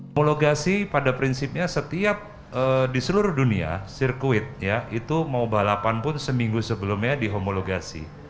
homologasi pada prinsipnya setiap di seluruh dunia sirkuit itu mau balapan pun seminggu sebelumnya dihomologasi